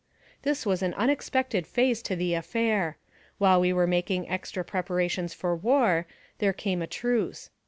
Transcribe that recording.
This was an unexpected phase to the affair. While we were making txtra preparations for war, there came a truce.